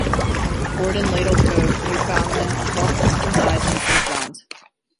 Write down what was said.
Born in Ladle Cove, Newfoundland, Tulk resides in Saint John's.